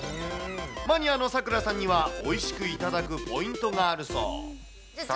マニアの咲良さんには、おいしく頂くポイントがあるそう。